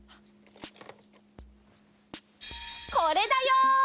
これだよ！